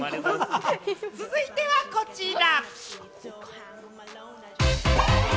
続いてはこちら。